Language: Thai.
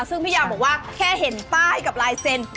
ซึ่งพี่ยาวบอกว่าแค่เห็นป้ายกับลายเซ็นต์